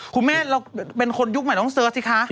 คุณแม่เราเป็นคนยุคใหม่น้องเสิร์ชสิคะ